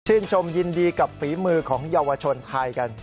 ชมยินดีกับฝีมือของเยาวชนไทยกัน